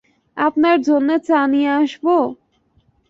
আপনার জন্যে চা নিয়ে আসব?